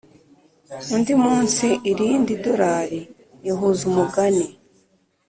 undi munsi, irindi dorari ihuza umugani